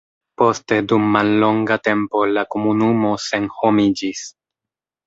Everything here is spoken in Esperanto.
Poste dum mallonga tempo la komunumo senhomiĝis.